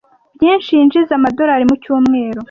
Byinshi yinjiza amadorari mu cyumweru